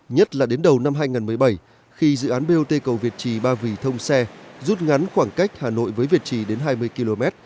nhất là đến đầu năm hai nghìn một mươi bảy khi dự án bot cầu việt trì ba vì thông xe rút ngắn khoảng cách hà nội với việt trì đến hai mươi km